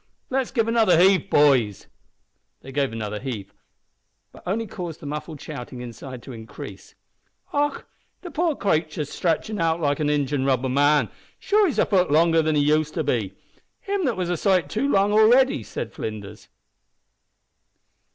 Let's give another heave, boys." They gave another heave, but only caused the muffled shouting inside to increase. "Och! the poor cratur's stritchin' out like a injin rubber man; sure he's a fut longer than he used to be him that was a sight too long already," said Flinders.